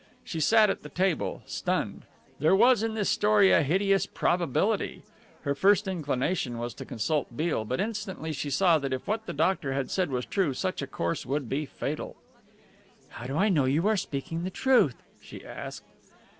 She sat at the table, stunned. There was in this story a hideous probability. Her first inclination was to consult Beale, but instantly she saw that if what the doctor had said was true such a course would be fatal. "How do I know you are speaking the truth?" she asked.